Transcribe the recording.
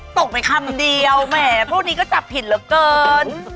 ตกไปคำเดียวแหมพวกนี้ก็จับผิดเหลือเกิน